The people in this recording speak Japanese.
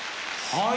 はい。